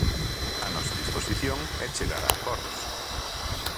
A nosa disposición é chegar a acordos.